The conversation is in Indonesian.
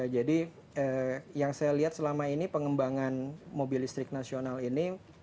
jadi yang saya lihat selama ini pengembangan mobil listrik nasional ini